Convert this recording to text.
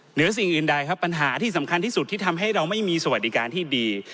เหนือสิ่งอื่นใดครับปัญหาที่สำคัญที่สุดที่ทำให้เราไม่มีสวัสดิการที่ดี